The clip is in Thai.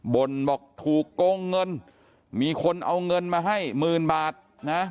บ่นบอกถูกโกงเงินมีคนเอาเงินมาให้หมื่นบาทนะ